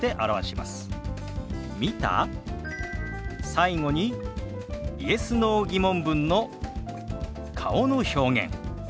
最後にＹｅｓ／Ｎｏ−疑問文の顔の表現。